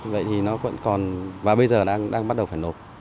vậy thì nó vẫn còn và bây giờ đang bắt đầu phải nộp